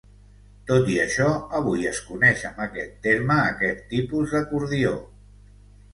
Tot i això, avui es coneix amb aquest terme a aquest tipus d'acordió.